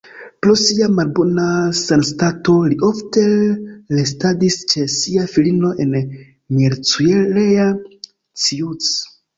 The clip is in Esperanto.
Pro sia malbona sanstato li ofte restadis ĉe sia filino en Miercurea Ciuc.